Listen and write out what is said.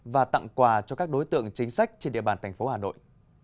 và tặng quà cho các đối tượng chính sách trên địa bàn thành phố hà nội